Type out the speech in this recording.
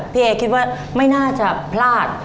พี่เอคิดว่าไม่น่าจะพลาด